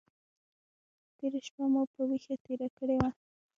تېره شپه مو په ویښه تېره کړې وه.